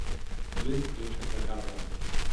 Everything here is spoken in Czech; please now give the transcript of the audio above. List byl však zakázán.